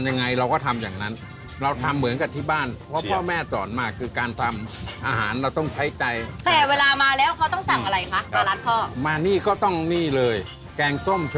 นี่มันคือแม่น้ำทรัพยาใสธรรมชาติดั้งเดิม